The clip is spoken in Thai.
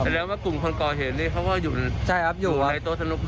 แสดงว่ากลุ่มคนก่อนเห็นนี่เขาก็อยู่ในโต๊ะสนุกด้วย